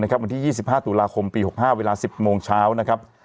วันที่๒๕ตุลาคมปี๖๕เวลา๑๐โมงเช้านะครับ